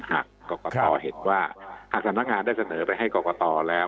หากกรกตเห็นว่าหากสำนักงานได้เสนอไปให้กรกตแล้ว